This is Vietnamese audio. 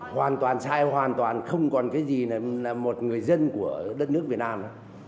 hoàn toàn sai hoàn toàn không còn cái gì là một người dân của đất nước việt nam